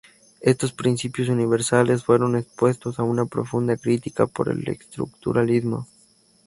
Estos principios universales fueron expuestos a una profunda crítica por el estructuralismo.